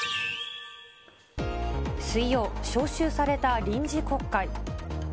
水曜、召集された臨時国会。